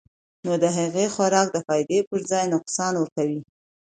نو د هغې خوراک د فائدې پۀ ځائے نقصان ورکوي -